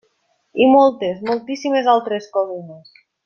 I moltes, moltíssimes altres coses més!